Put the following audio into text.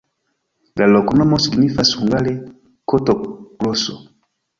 La loknomo signifas hungare koto-groso.